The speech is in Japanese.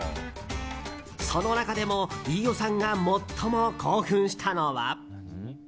その中でも飯尾さんが最も興奮したのは。